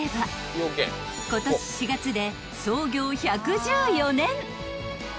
［今年４月で創業１１４年］